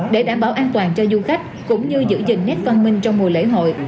để đảm bảo an toàn cho du khách cũng như giữ gìn nét văn minh trong mùa lễ hội